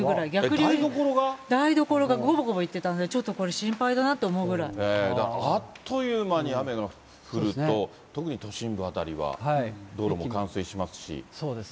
台所がごぼごぼいってたんで、ちょっとこれ、心配だなって思うあっという間に雨が降ると、特に都心部辺りは、道路も冠水しますし。